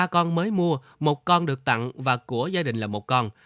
một mươi ba con mới mua một con được tặng và của gia đình là một con